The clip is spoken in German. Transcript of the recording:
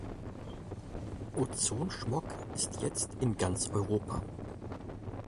Ozonsmog ist jetzt in ganz Europa.